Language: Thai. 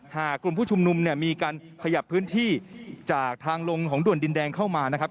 หากกลุ่มผู้ชุมนุมเนี่ยมีการขยับพื้นที่จากทางลงของด่วนดินแดงเข้ามานะครับ